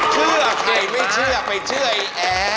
เชื่อไทยไม่เชือกแต่เชื่อไอ้แ๊